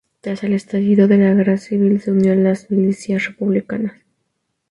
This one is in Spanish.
Tras el estallido de la Guerra civil se unió a la milicias republicanas.